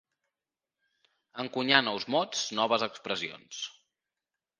Encunyar nous mots, noves expressions.